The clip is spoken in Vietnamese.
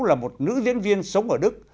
là một nữ diễn viên sống ở đức